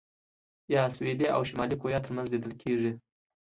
یا سوېلي او شمالي کوریا ترمنځ لیدل کېږي.